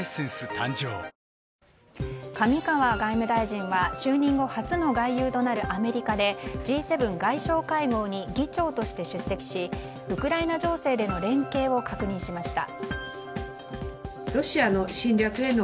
誕生上川外務大臣は就任後初の外遊となるアメリカでＧ７外相会合に議長として出席しウクライナ情勢での連携を確認しました。